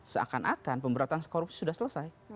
seakan akan pemberantasan korupsi sudah selesai